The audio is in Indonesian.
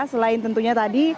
selain tentunya tadi